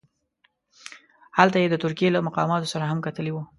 هلته یې د ترکیې له مقاماتو سره هم کتلي وه.